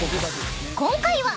［今回は］